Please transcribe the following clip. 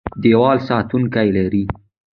دیوال ساتونکي لري.